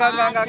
gak gak gak